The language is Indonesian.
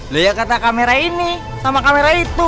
loh ya kata kamera ini sama kamera itu